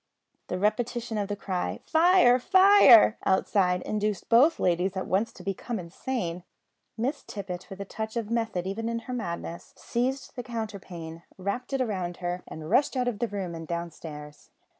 The repetition of the cry, "Fire! fire!" outside, induced both ladies at once to become insane. Miss Tippet, with a touch of method even in her madness, seized the counterpane, wrapped it round her, and rushed out of the room and downstairs.